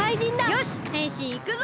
よしへんしんいくぞ！